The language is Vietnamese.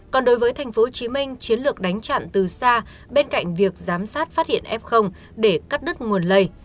còn đối với thành phố hồ chí minh chiến lược đánh chặn từ xa bên cạnh việc giám sát phát hiện f để cắt đứt nguồn lây